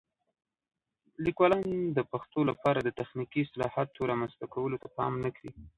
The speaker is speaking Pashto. لیکوالان د پښتو لپاره د تخنیکي اصطلاحاتو رامنځته کولو ته پام نه کوي.